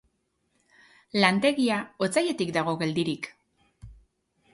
Lantegia otsailetik dago geldirik.